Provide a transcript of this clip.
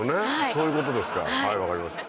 そういうことですかはい分かりました。